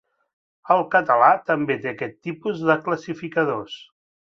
El català també té aquest tipus de classificadors.